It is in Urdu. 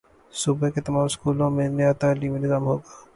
صوبے کے تمام سکولوں میں نیا تعلیمی نظام ہوگا